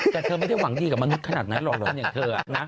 แต่เธอไม่ได้หวังดีกับมนุษย์ขนาดนั้นหรอกอย่างเธอนะ